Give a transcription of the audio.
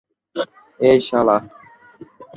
এই, শালা।